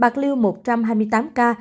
bạc liêu một trăm hai mươi tám ca